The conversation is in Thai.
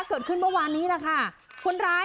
เกิดขึ้นเมื่อวานนี้แหละค่ะคนร้าย